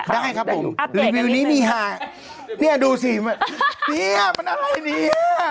ได้ครับผมรีวิวนี้มีหาเนี่ยดูสิเนี่ยมันอะไรเนี่ย